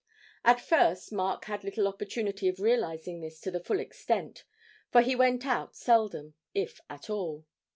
At first Mark had little opportunity of realising this to the full extent, for he went out seldom if at all.